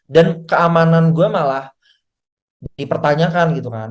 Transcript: dan keamanan gue malah dipertanyakan gitu kan